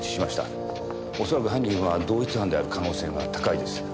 恐らく犯人は同一犯である可能性が高いです。